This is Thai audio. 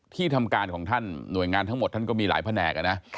ที่ทำการของท่านหน่วยงานทั้งหมดท่านก็มีหลายแผนกนะ